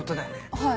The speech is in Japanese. はい。